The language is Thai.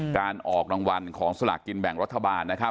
การออกรางวัลของสลากกินแบ่งรัฐบาลนะครับ